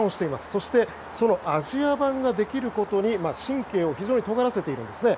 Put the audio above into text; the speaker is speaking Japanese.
そしてそのアジア版ができることに神経を非常にとがらせているんですね。